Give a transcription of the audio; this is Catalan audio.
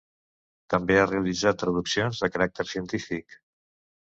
També ha realitzat traduccions de caràcter científic.